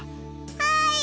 はい！